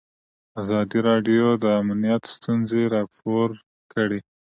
ازادي راډیو د امنیت ستونزې راپور کړي.